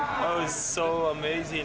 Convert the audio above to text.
sangat luar biasa